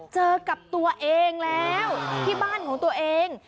เจอกับตัวเองแล้วที่บ้านของตัวเอง